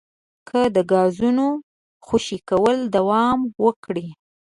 که د ګازونو خوشې کول دوام وکړي